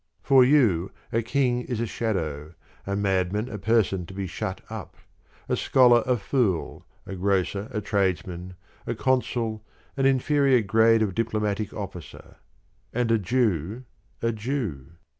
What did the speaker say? For you a king is a shadow, a madman a person to be shut up, a scholar a fool, a grocer a tradesman, a consul an inferior grade of diplomatic officer, and a Jew a Jew.